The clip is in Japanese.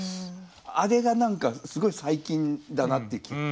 あれが何かすごい最近だなっていう気が。